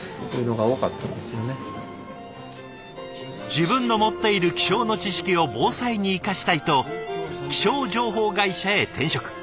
自分の持っている気象の知識を防災に生かしたいと気象情報会社へ転職。